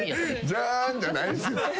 ジャーンじゃないですよ。